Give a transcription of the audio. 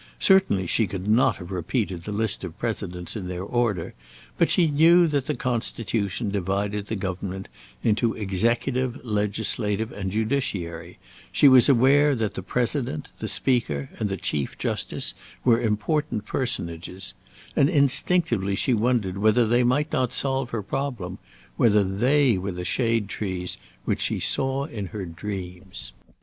Certainly she could not have repeated the list of Presidents in their order, but she knew that the Constitution divided the government into Executive, Legislative, and Judiciary; she was aware that the President, the Speaker, and the Chief Justice were important personages, and instinctively she wondered whether they might not solve her problem; whether they were the shade trees which she saw in her dreams.